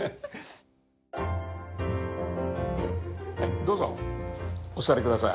どうぞお座り下さい。